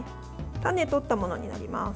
種を取ったものになります。